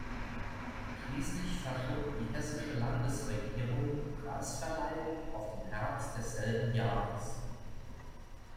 Schließlich verschob die hessische Landesregierung die Preisverleihung auf den Herbst desselben Jahres.